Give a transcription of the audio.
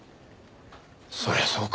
そりゃそうか。